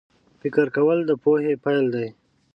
فکر کول د پوهې پیل دی